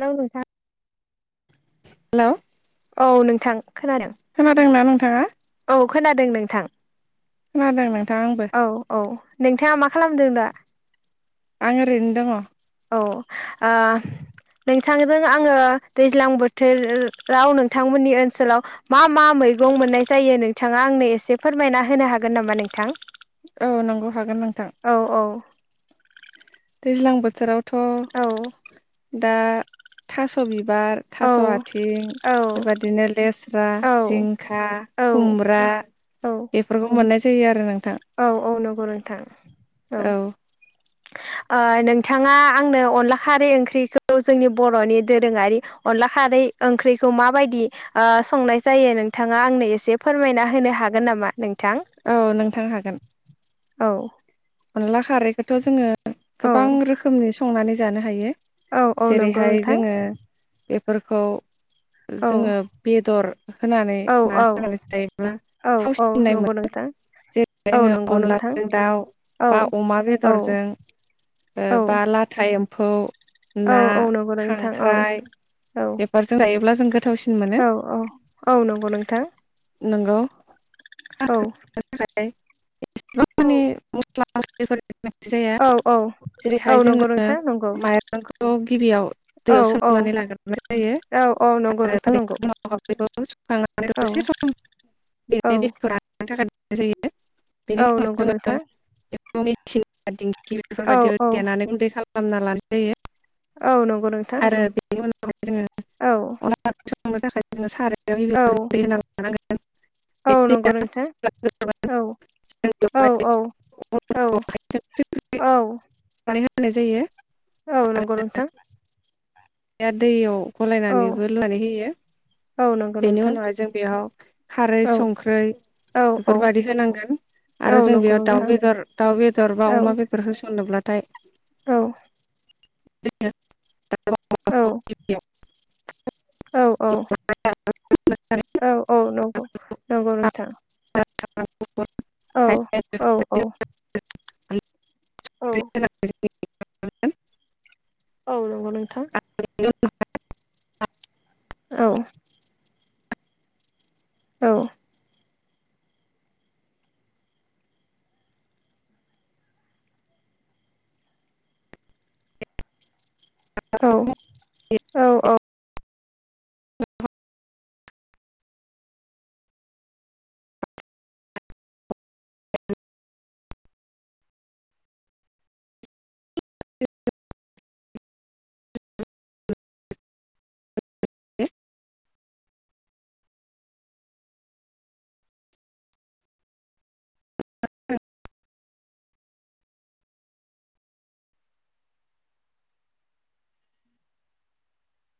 Hello नोंथां hello औ नोंथां खोनादों खोनादोंना नोंथाङा औ खोनादों नोंथां खोनादों नों औ औ नोंथाङा मा खालामदों दा? आं ओरैनो दङ। अ ओ नोंथांजों आङो दैज्लां बोथोर राव नोंथांमोननि ओनसोलाव मा मा मै मैगं मोननाय जायो नोंथाङा आंनो एसे फोरमायना होनो हागोन नामा नोंथां औ नंगौ हागोन नोंथां औ औ दैज्लां बोथोराव औ दा थास' बिबार औ थास' आथिं बेबदिनो लेस रा औ जिंखा औ खुमब्रा औ बेफोरखौ मोननाय जायो आरो नों औ औ नगौ नोथां औ ओ नोंथाङा आंनो अनला खारै ओंख्रिखौ जोंनि बर'नि दोरोङारि अनला खारै इओंख्रिखौ माबायदि ओ संनाय जायो नोंथाङा आंनो एसे फोरमायना होनो हागोन नामा? नोंथां? औ नोंथां हागोन औ अनला खारैखौथ' जोङो औ गोबां रोखोमनि संनानै जानो हायो औ औ नंगौ जेरैहाय नोंथां जोङो बेफोरखौ औ जोङो बेदर होनानै औ ना औ होनानै जायोब्ला औ औ नंगौ नोंथां जेरै औ जोङो नंगौ नोंथां अनलाजों दाउ औ बा अमा औ बेदरजों ओ औ बा लाथा एम्फौ औ ना औ नंगौ नोंथां औ खांख्राइ औ बेफोरजों जायोब्ला जों गोथावसिन मोनो औ औ नंगौ नोंथां नंगौ औ [unintelligible] औ क्ला [unintelligible] औ-औ जेरैहाय जोङो माइरंखौ गिबियाव औ दैयाव औ सोमनानै लागोरनाय जायो औ औ नंगौ आरो नोंथां नंगौ औ सम [unintelligible] बेनि औ दैखौ राननो थाखाय दोननाय जायो बेनि औ उनाव जोङो [inaudible] सि दिंखि औ बेफोरबायदियाव औ देनानै गुन्दै खालामना लानाय औ नंगौ नोंथां जायो आरो बेनि उनाव जोङो अनला औ ओंख्रि सं संनो थांनो थाखाय जोङो सारायाव औ गिबियाव दै होना लानांगोन औ बे नंगौ दैया नोंथां जेब्ला गोदौगोन जों औ-औ बेवहाय अनखौहाय औ-औ-औ नाय जायो औ नंगौ नोंथां या दैयाव औ गलायनानैबो लुनानै होयो औ नंगौ बेनि नोंथां उनावहाय जों बेयाव खारै औ संख्रै औ औ बेफोरबायदि होनांगोन औ आरो जों नंगौ बेयाव दाउ नोंथां बेदर, दाउ बेदर बा औ अमा बेदर होसननोब्ला थाय औ। [unintelligible] औ-औ-औ नंगौ नंगौ नोंथां। [unintelligible] औ-औ-औ [unintelligible] औ नंगौ नोंथां। [unintelligible] औ औ औ-औ-औ [unintelligible] [unintelligible] [unintelligible]